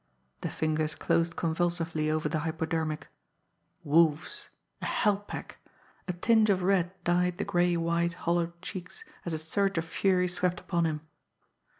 The fingers closed convulsively over the hypodermic. Wolves! A hell pack! A tinge of red dyed the grey white, hollowed cheeks, as a surge of fury swept upon him.